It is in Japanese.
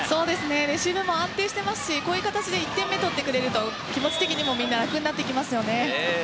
レシーブも安定していますしこういう形で１点目、とってくれると気持ち的にもみんな楽になります。